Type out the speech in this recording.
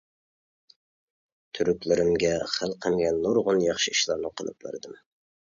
تۈركلىرىمگە، خەلقىمگە نۇرغۇن ياخشى ئىشلارنى قىلىپ بەردىم.